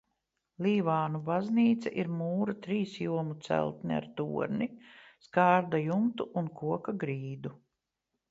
Līvānu baznīca ir mūra trīs jomu celtne ar torni, skārda jumtu un koka grīdu.